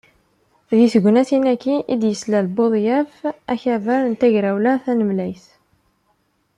Deg tegnatin-agi i d-yeslal Buḍyaf akabar n Tegrawla Tanemlayt.